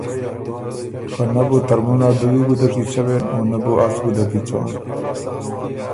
خه نۀ بو ترمُن ا دُوی ګُده کی څوېن او نۀ بو از ګده کی څوم۔